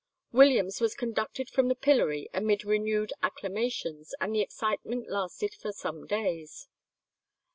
Williams was conducted from the pillory amid renewed acclamations, and the excitement lasted for some days.